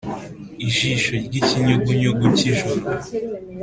Ijisho ry ikinyugunyugu cy ijoro